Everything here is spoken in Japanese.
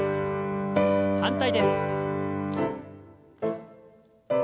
反対です。